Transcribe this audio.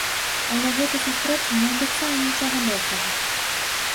Але гэта сустрэча не абяцае нічога добрага.